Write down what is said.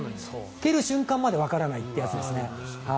蹴る瞬間までわからないというやつですね。